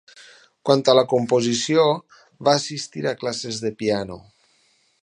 Quant a la composició, va assistir a classes de piano.